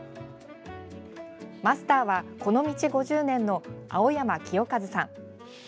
マスターはこの道５０年の青山清和さん。